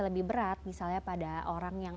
lebih berat misalnya pada orang yang